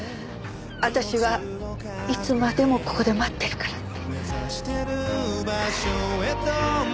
私はいつまでもここで待ってるからって。